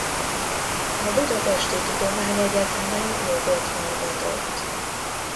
A Budapesti Tudományegyetemen jogot hallgatott.